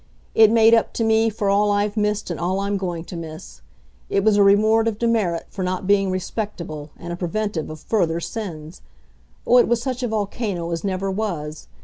It made up to me for all I've missed and all I'm going to miss. It was a reward of demerit for not being respectable, and a preventive of further sins. Oh, it was such a volcano as never was.